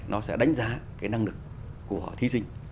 nó sẽ đánh giá cái năng lực của thí sinh